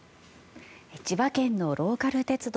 千葉県のローカル鉄道